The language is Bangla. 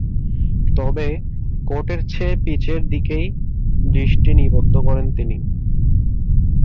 তবে, কোর্টের চেয়ে পিচের দিকেই দৃষ্টি নিবদ্ধ করেন তিনি।